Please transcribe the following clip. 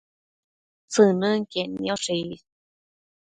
tsënënquied nioshe is